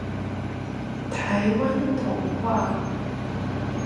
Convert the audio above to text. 臺灣童話